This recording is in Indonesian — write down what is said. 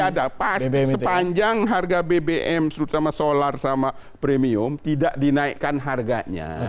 tidak ada pasti sepanjang harga bbm terutama solar sama premium tidak dinaikkan harganya